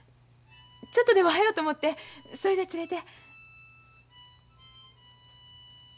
ちょっとでもはようと思てそれで連れて。